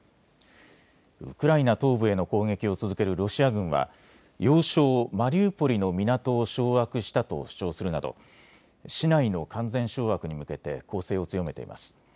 ウクライナ東部への攻撃を続けるロシア軍は要衝マリウポリの港を掌握したと主張するなど市内の完全掌握に向けて攻勢を強めています。